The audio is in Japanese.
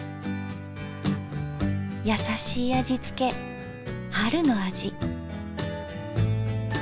優しい味付け春の味。